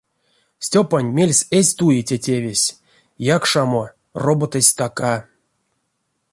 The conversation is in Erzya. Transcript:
Стёпань мельс эзь туе те тевесь — якшамо, роботась стака.